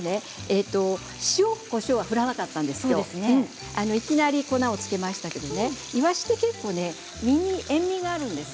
塩、こしょうは振らなかったんですけどいきなり粉をつけましたけどイワシって結構、身に塩みがあるんです。